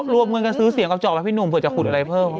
รวมเงินกันซื้อเสียงกระจอกแล้วพี่หนุ่มเผื่อจะขุดอะไรเพิ่ม